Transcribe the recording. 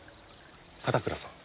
片倉さん。